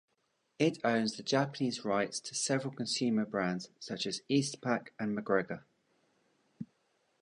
It owns the Japanese rights to several consumer brands such as Eastpak and McGregor.